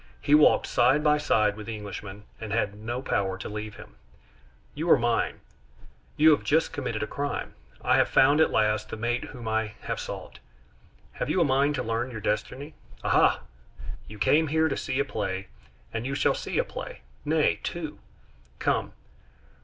He walked side by side with the Englishman, and had no power to leave him. "You are mine; you have just committed a crime. I have found at last the mate whom I have sought. Have you a mind to learn your destiny? Aha! you came here to see a play, and you shall see a play nay, two. Come.